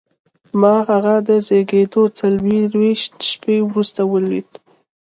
ما هغه تر زېږېدو څلرویشت شېبې وروسته ولید